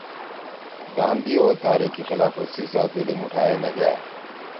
گاندھی او تحریک خلافت سی سأدویلی مُوٹھائے نےگأ۔